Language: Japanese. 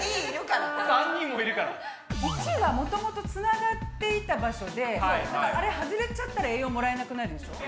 ①はもともとつながっていた場所であれ外れちゃったら栄養もらえなくなるでしょう。